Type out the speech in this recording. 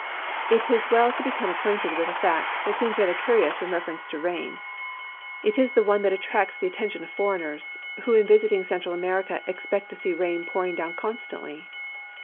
It is well to become acquainted with a fact that seems rather curious in reference to rain; it is the one that attracts the attention of foreigners, who in visiting Central America expect to see rain pouring down constantly.